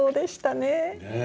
ねえ。